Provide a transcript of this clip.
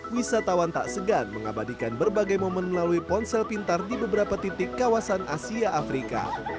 wisatawan tak segan mengabadikan berbagai momen melalui ponsel pintar di beberapa titik kawasan asia afrika